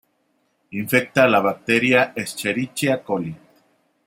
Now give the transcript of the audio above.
Infecta a la bacteria Escherichia coli.